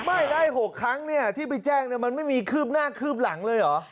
ไม่ได้๖ครั้งเนี่ยที่ไปแจ้งมันไม่มีคืบหน้าคืบหลังเลยเหรอ